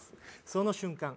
その瞬間